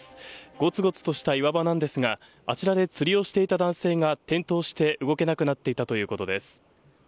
ごつごつとした岩場なんですがあちらで釣りをしていた男性が転倒して動けなくなっていたということです。